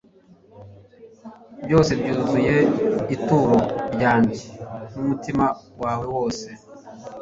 Byose byuzuye ituro ryanjye n'umutima wawe wose